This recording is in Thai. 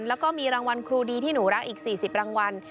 แล้วก็มีรางวัลครูดีที่หนูรักอีก๔๐รางวัล